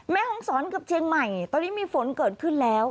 แม่ห้องศรกับเชียงใหม่ตอนนี้มีฝนเกิดขึ้นแล้ว